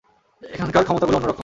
এখানকার ক্ষমতাগুলো অন্যরকম।